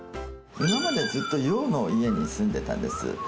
今までずっと洋の家に住んでたんです。